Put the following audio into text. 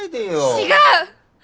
違う！